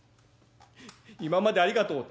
今までありがとう」。